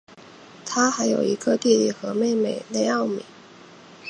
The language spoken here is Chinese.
他还有一个弟弟和妹妹内奥米。